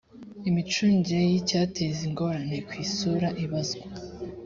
imicungire y icyateza ingorane ku isura ibazwa